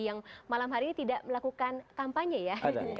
yang malam hari ini tidak melakukan kampanye ya